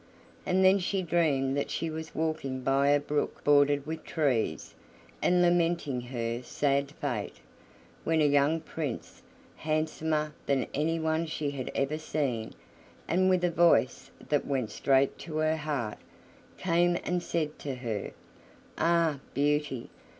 And then she dreamed that she was walking by a brook bordered with trees, and lamenting her sad fate, when a young prince, handsomer than anyone she had ever seen, and with a voice that went straight to her heart, came and said to her, "Ah, Beauty!